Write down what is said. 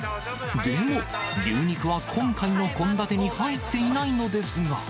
でも、牛肉は今回の献立に入っていないのですが。